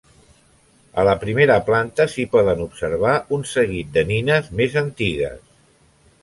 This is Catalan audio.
A la primera planta s'hi poden observar un seguit de nines més antigues.